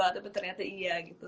tapi ternyata iya gitu